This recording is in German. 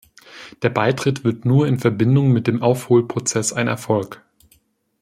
Der Beitritt wird nur in Verbindung mit dem Aufholprozess ein Erfolg.